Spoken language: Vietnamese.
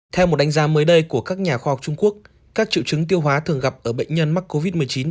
theo một đánh giá mới đây của các nhà khoa học trung quốc các triệu chứng tiêu hóa thường gặp ở bệnh nhân mắc covid một mươi chín